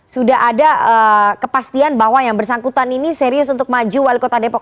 sudah ada kepastian bahwa yang bersangkutan ini serius untuk maju wali kota depok